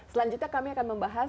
selanjutnya kami akan bicarakan